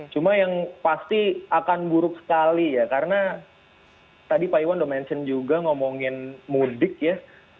cuma yang pasti akan buruk sekali ya karena tadi pak iwan udah mention juga ngomongin mudik ya